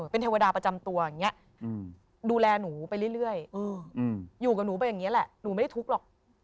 เป็นเทวดาประจำตัวอย่างนี้ดูแลหนูไปเรื่อยอยู่กับหนูไปอย่างนี้แหละหนูไม่ได้ทุกข์หรอก